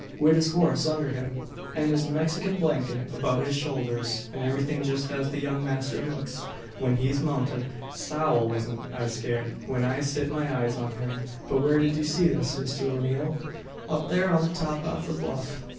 Wid his horse undher him, an his Mexikin blanket about his showlders, an everything just as the young masther looks, when he's mounted, Sowl! wasn't I scared, whin I sit my eyes on him." "But where did you see this, Mr O'Neal?" "Up thare on the top av the bluff.